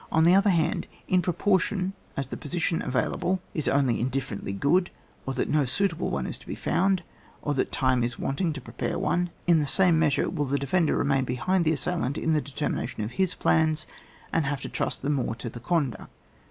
On the other hand, in proportion as the position available is only indif ferently good, or that no suitable one is to be found, or that time is wanting to pre pare one, in the same measure will the defender remain behind the assailant in the determination of his plans, and have to trust the more to the conduct.